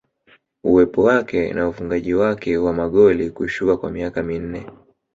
Uwepo wake na ufungaji wake wa magoli kushuka kwa miaka minne